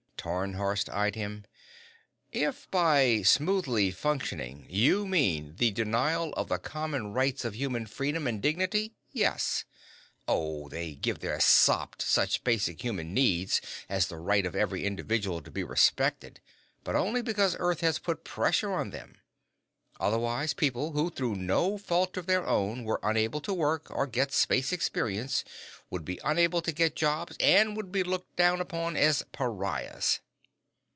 Tarnhorst eyed him. "If, by, 'smoothly functioning', you mean the denial of the common rights of human freedom and dignity yes. Oh, they give their sop to such basic human needs as the right of every individual to be respected but only because Earth has put pressure on them. Otherwise, people who, through no fault of their own, were unable to work or get 'space experience' would be unable to get jobs and would be looked down upon as pariahs."